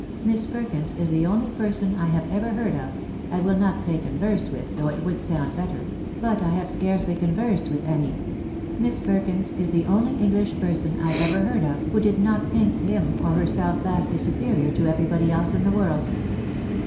Miss Perkins is the only person I have ever heard of (I will not say conversed with, though it would sound better — but I liave scarcely conversed witli any). Miss Perkins is the only English person I ever heard of, who did not think him or her self vastly superior to everybody else in the world.